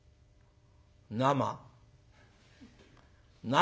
「生。